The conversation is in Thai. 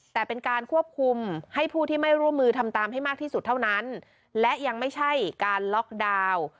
แต่เป็นการควบคุมให้ผู้ที่ไม่ร่วมมือทำตามให้มากที่สุดเท่านั้นและยังไม่ใช่การล็อกดาวน์